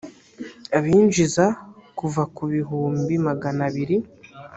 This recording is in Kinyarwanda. abinjiza kuva ku bihumbi magana abiri